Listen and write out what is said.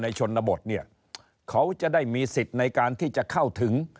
พี่น้องเราในชนบทเนี่ยเขาจะได้มีสิทธิ์ในการที่จะเข้าถึง